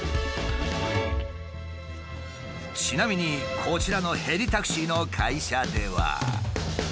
ちなみにこちらのヘリタクシーの会社では。